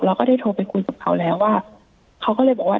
ก็ได้โทรไปคุยกับเขาแล้วว่าเขาก็เลยบอกว่า